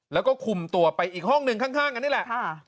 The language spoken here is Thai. แล้วก็คุมตัวไปอีกห้องหนึ่งข้างกันนี่แหละ